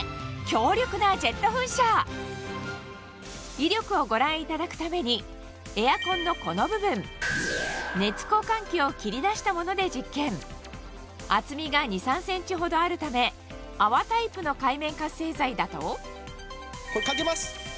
威力をご覧いただくためにエアコンのこの部分熱交換器を切り出したもので実験厚みが２３ｃｍほどあるため泡タイプの界面活性剤だとこれかけます